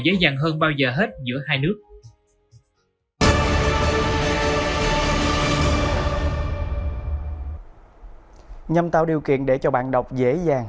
dễ dàng hơn bao giờ hết giữa hai nước nhằm tạo điều kiện để cho bạn đọc dễ dàng